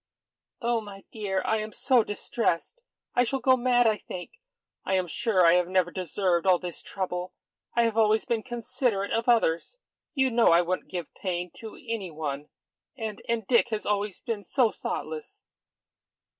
"Oh, my dear, I am so distressed. I shall go mad, I think. I am sure I have never deserved all this trouble. I have always been considerate of others. You know I wouldn't give pain to any one. And and Dick has always been so thoughtless."